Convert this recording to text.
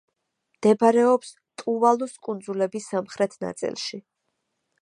მდებარეობს ტუვალუს კუნძულების სამხრეთ ნაწილში.